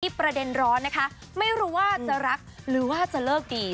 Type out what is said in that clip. ประเด็นร้อนนะคะไม่รู้ว่าจะรักหรือว่าจะเลิกดี